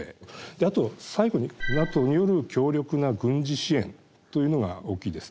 あと最後にＮＡＴＯによる強力な軍事支援というのが大きいです。